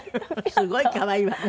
すごい可愛いわね。